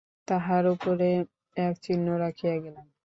তাহার উপরে এক চিহ্ন রাখিয়া গেলেন।